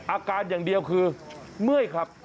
อาการอย่างเดียวคือเมื่อยครับ